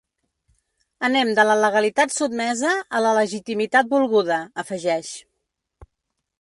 Anem de la legalitat sotmesa a la legitimitat volguda, afegeix.